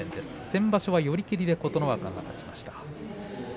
先場所は寄り切りで琴ノ若が勝ちました。